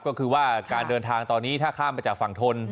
ก็คือว่าการเดินทางตอนนี้ถ้าข้ามไปจากฝั่งทน